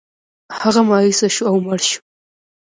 هغه مایوسه شو او مړ شو.